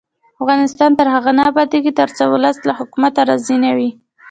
افغانستان تر هغو نه ابادیږي، ترڅو ولس له حکومته راضي نه وي.